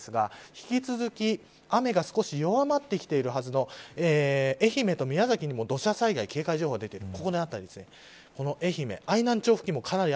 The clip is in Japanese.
引き続き、雨が少し弱まってきているはずの愛媛と宮崎にも土砂災害警戒情報が出ています。